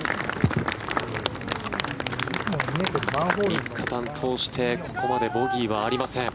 ３日間通してここまでボギーはありません。